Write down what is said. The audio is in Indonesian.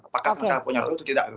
apakah mereka punya ratu atau tidak gitu